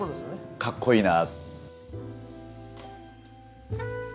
かっこいいなあ！